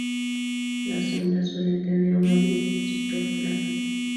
Las hembras suelen tener un ovipositor largo.